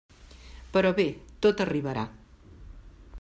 Però bé, tot arribarà.